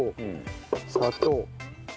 砂糖。